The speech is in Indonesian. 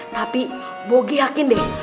tapi bogy yakin deh